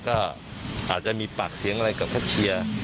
ก็อาจจะมีปากเสียงอะไรกับแคทเชียร์